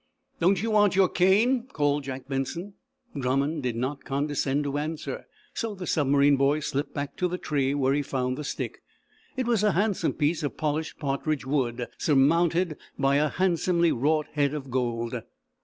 "Don't you want your cane?" called Jack Benson. Drummond did not condescend to answer, so the submarine boy slipped back to the tree, where he found the stick. It was a handsome piece of polished partridge wood, surmounted by a handsomely wrought head of gold.